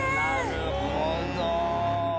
なるほど。